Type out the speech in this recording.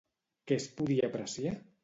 Què es podia apreciar?